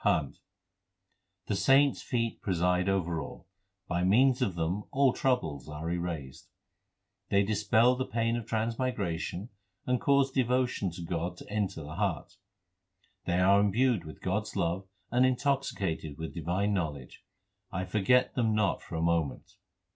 CHHANT The saints feet preside over all ; by means of them all troubles are erased ; They dispel the pain of transmigration and cause devotion to God to enter the heart ; They are imbued with God s love and intoxicated with divine knowledge : I forget them not for a moment.